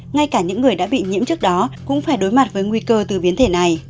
ngay cả những người đã bị nhiễm trước đó cũng phải đối mặt với nguy cơ từ biến thể này